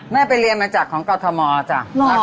ไปเรียนมาจากของกรทมจ้ะ